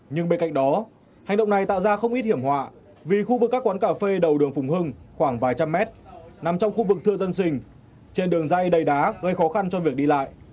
nhưng bên cạnh đó hành động này tạo ra không ít hiểm họa vì khu vực các quán cà phê đầu đường phùng hưng khoảng vài trăm mét nằm trong khu vực thừa dân sinh trên đường dây đầy đá gây khó khăn cho việc đi lại